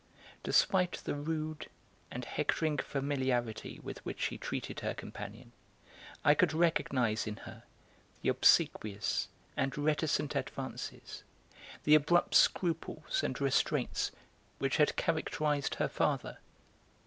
Despite the rude and hectoring familiarity with which she treated her companion I could recognise in her the obsequious and reticent advances, the abrupt scruples and restraints which had characterised her father.